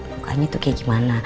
mukanya tuh kayak gimana